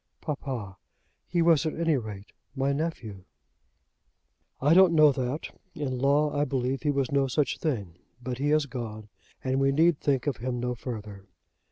"Papa, he was at any rate my nephew." "I don't know that. In law, I believe, he was no such thing. But he has gone, and we need think of him no further."